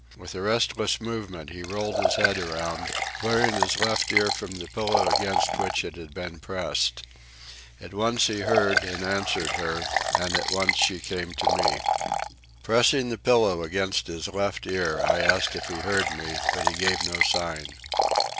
With a restless movement he rolled his head around, clearing his left ear from the pillow against which it had been pressed. At once he heard and answered her, and at once she came to me. Pressing the pillow against his left ear, I asked him if he heard me, but he gave no sign.